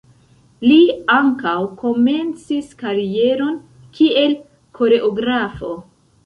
Li ankaŭ komencis karieron kiel koreografo.